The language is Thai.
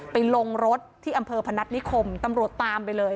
ลงรถที่อำเภอพนัฐนิคมตำรวจตามไปเลย